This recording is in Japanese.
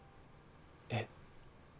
えっ？